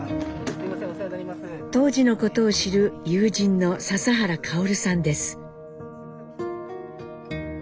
当時のことを知る友人の笹原薫さんです。